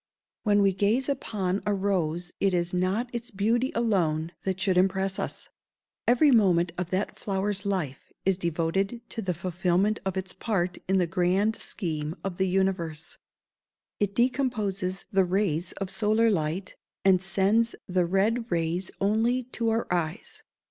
"] When we gaze upon a rose it is not its beauty alone that should impress us: every moment of that flower's life is devoted to the fulfilment of its part in the grand scheme of the universe. It decomposes the rays of solar light, and sends the red rays only to our eyes.